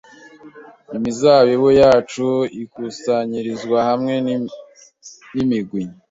imizabibu yacu ikusanyirizwa hamwe nimigwi